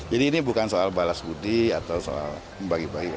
ini bukan soal balas budi atau soal membagi bagi